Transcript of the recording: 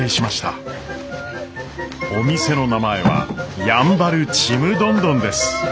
お店の名前は「やんばるちむどんどん」です。